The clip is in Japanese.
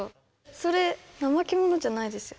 それナマケモノじゃないですよ。